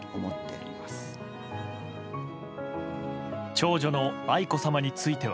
長女の愛子さまについては。